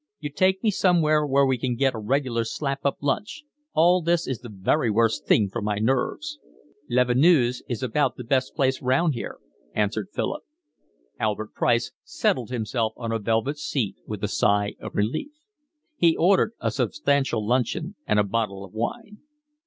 "You take me somewhere where we can get a regular slap up lunch. All this is the very worst thing for my nerves." "Lavenue's is about the best place round here," answered Philip. Albert Price settled himself on a velvet seat with a sigh of relief. He ordered a substantial luncheon and a bottle of wine.